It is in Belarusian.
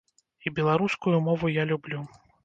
І беларускую мову я люблю.